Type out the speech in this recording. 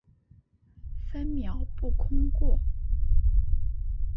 分秒不空过